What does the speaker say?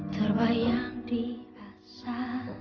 terbayang di asa